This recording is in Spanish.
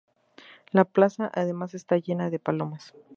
La plaza, además, está llena de palomas.